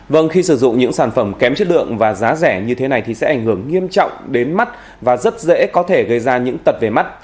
vâng khi sử dụng những sản phẩm kém chất lượng và giá rẻ như thế này thì sẽ ảnh hưởng nghiêm trọng đến mắt và rất dễ có thể gây ra những tật về mắt